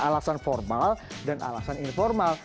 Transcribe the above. alasan formal dan alasan informal